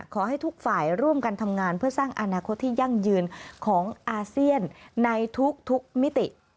ขอให้ทุกฝ่ายร่วมกันทำงานเพื่อสร้างอนาคตที่ยั่งยืนของอาเซียนในทุกมิติ